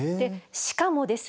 しかもですね